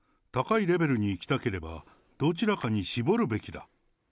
高いレベルにいきたければ、どちらかに絞るべきだ。